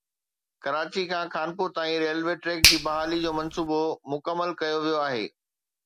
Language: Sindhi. ڪراچي کان خانپور تائين ريلوي ٽريڪ جي بحالي جو منصوبو مڪمل ڪيو ويو آهي